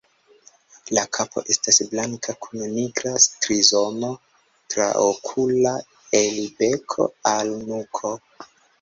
La kapo estas blanka kun nigra strizono traokula el beko al nuko.